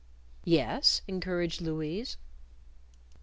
"Yes?" encouraged Louise.